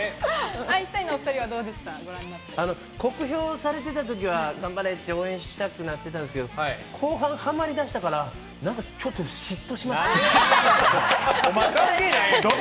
酷評されてた時は頑張れって応援したくなってたんですけど、後半、はまりだしてから、ちょっと嫉妬しましたね。